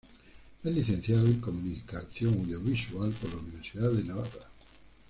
Es licenciada en Comunicación Audiovisual por la Universidad de Navarra.